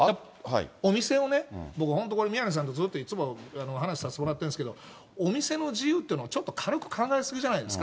お店をね、僕、これ宮根さんとずっといつも、話しさせてもらってますけど、お店の自由っていうのを、ちょっと軽く考え過ぎじゃないですか？